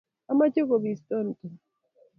ameche kobiston Tom